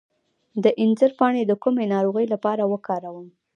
د انځر پاڼې د کومې ناروغۍ لپاره وکاروم؟